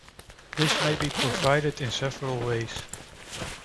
This may be provided in several ways.